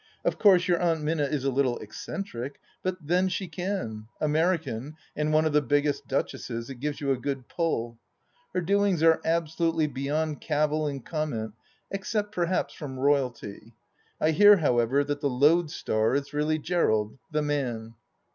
Of course your Aunt Minna is a little eccentric — ^but then she can 1 American, and one of the biggest Duchesses, it gives you a good pull ! Her doings are absolutely beyond cavil and comment, except perhaps from Royalty. I hear however that the lodestar is really Gerald, the man.